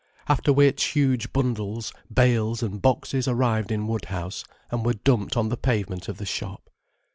After which huge bundles, bales and boxes arrived in Woodhouse, and were dumped on the pavement of the shop.